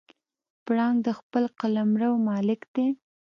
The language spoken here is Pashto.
پړانګ د خپل قلمرو مالک دی.